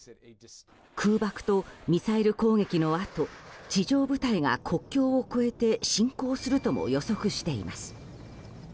空爆とミサイル攻撃のあと地上部隊が国境を越えて侵攻するとも予測しています。